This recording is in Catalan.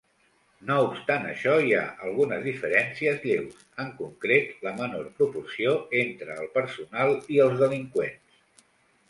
No obstant això, hi ha algunes diferències lleus, en concret la menor proporció entre el personal i els delinqüents.